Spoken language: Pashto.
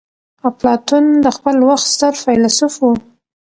اپلاتون د خپل وخت ستر فيلسوف وو.